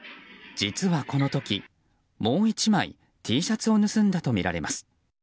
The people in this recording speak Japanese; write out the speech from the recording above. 実はこの時、もう１枚Ｔシャツを盗んだとみられます。